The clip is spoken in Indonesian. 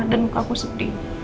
dan muka aku sedih